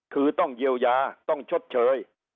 คือต้องเยียวยาต้องชดเชย